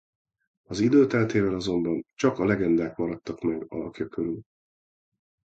Az idő teltével azonban csak a legendák maradtak meg alakja körül.